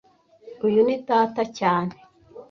Uyu ni data cyane